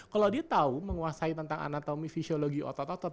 kalau dia tahu menguasai tentang anatomi fisiologi otot otot